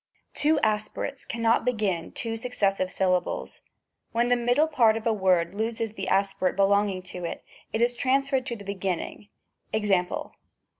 Two aspirates cannot begin two successive sylla bles ; when the middle part of a word loses the aspi rate belonging to it, it is transferred to the beginning ; Ex. ?